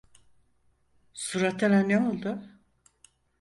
Suratına ne oldu?